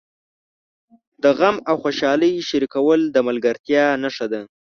د غم او خوشالۍ شریکول د ملګرتیا نښه ده.